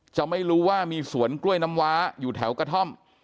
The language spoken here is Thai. จะไม่รู้ว่ามีสวนกล้วยน้ำว้าอยู่แถวกระท่อม